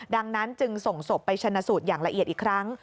ดังนั้นจึงส่งศพไปชนะสูตรอย่างละเอียดอีกครั้ง